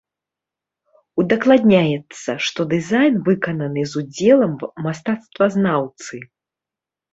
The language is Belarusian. Удакладняецца, што дызайн выкананы з удзелам мастацтвазнаўцы.